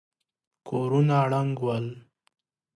کورونه ړنګ ول.